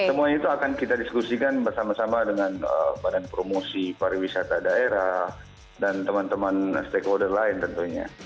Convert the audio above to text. semuanya itu akan kita diskusikan bersama sama dengan badan promosi pariwisata daerah dan teman teman stakeholder lain tentunya